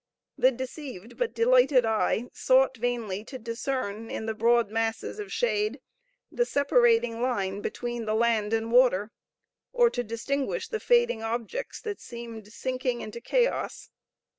The deceived but delighted eye sought vainly to discern, in the broad masses of shade, the separating line between the land and water, or to distinguish the fading objects that seemed sinking into chaos.